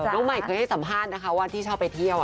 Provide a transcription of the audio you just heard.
น้องใหม่เคยให้สัมภาษณ์นะคะว่าที่ชอบไปเที่ยว